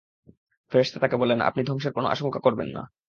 ফেরেশতা তাকে বললেন, আপনি ধ্বংসের কোন আশংকা করবেন না।